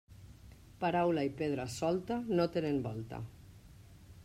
Paraula i pedra solta no tenen volta.